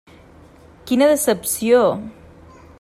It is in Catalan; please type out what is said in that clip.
Quina decepció!